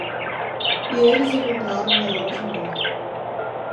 E eles encontraram o relógio nele.